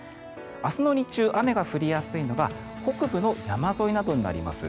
明日の日中、雨が降りやすいのが北部の山沿いなどになります。